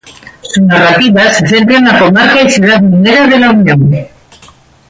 Su narrativa se centra en la comarca y ciudad minera de La Unión.